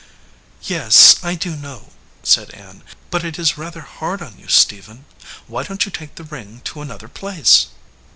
"Yes, I do know," said Ann, "but it is rather hard on you, Stephen. Why don t you take the ring to another place?"